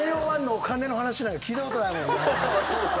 そうです。